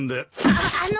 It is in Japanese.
あっあの！